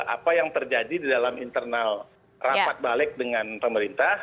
apa yang terjadi di dalam internal rapat balik dengan pemerintah